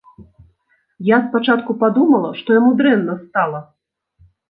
Я спачатку падумала, што яму дрэнна стала.